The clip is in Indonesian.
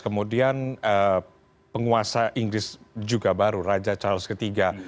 kemudian penguasa inggris juga baru raja charles iii